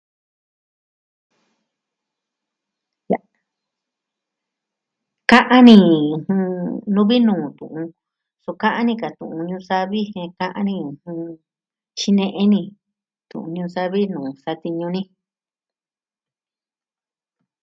Ka'an ni, jɨn, nuu vi nuu tu'un. So ka'an ni ka tu'un ñuu savi jen ka'an ni... ɨjɨn... xine'e ni tu'un ñuu savi nuu satiñu ni.